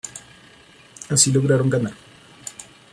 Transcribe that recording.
Así lograron ganar.